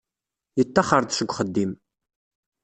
Yettaxer-d seg uxeddim.